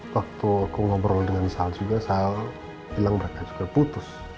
waktu aku ngobrol dengan sal juga sal bilang mereka juga putus